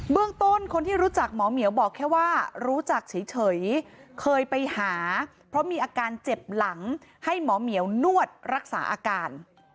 เรื่องต้นคนที่รู้จักหมอเหมียวบอกแค่ว่ารู้จักเฉยเคยไปหาเพราะมีอาการเจ็บหลังให้หมอเหมียวนวดรักษาอาการ